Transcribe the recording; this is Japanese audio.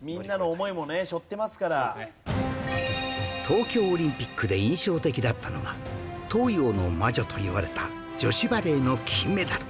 東京オリンピックで印象的だったのが東洋の魔女といわれた女子バレーの金メダル